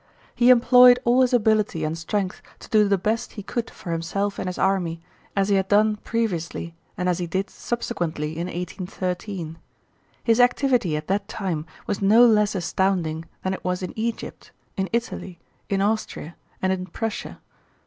He employed all his ability and strength to do the best he could for himself and his army, as he had done previously and as he did subsequently in 1813. His activity at that time was no less astounding than it was in Egypt, in Italy, in Austria, and in Prussia.